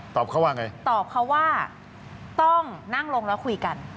เขาว่าไงตอบเขาว่าต้องนั่งลงแล้วคุยกัน